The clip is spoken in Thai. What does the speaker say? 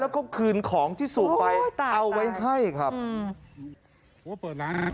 แล้วก็คืนของที่สูบไปเอาไว้ให้ครับอืม